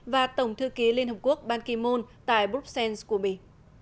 và tổng thư ký liên hợp quốc ban ki moon tại bruxelles cuba